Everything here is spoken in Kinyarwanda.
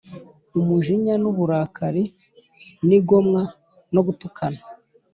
umujinya n’uburakari, n’igomwa no gutukana